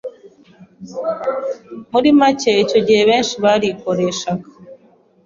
‘muri make icyo gihe abenshi barikoreshaga